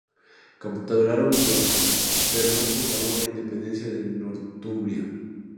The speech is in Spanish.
Capturaron York, pero no proclamaron la independencia de Northumbria.